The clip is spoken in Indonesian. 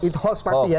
itu hoax pasti ya